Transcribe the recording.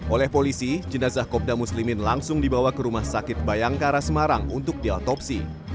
oleh polisi jenazah kopda muslimin langsung dibawa ke rumah sakit bayangkara semarang untuk diotopsi